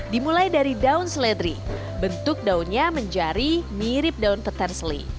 dimulai dari daun seledri bentuk daunnya menjadi mirip daun peterseli